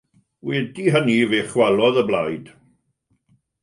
Wedi hynny fe chwalodd y blaid.